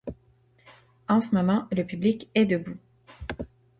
En ce moment, le public est debout.